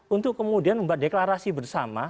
untuk kemudian membuat deklarasi bersama